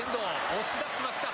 押し出しました。